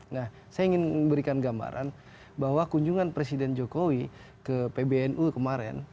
nah saya ingin memberikan gambaran bahwa kunjungan presiden jokowi ke pbnu kemarin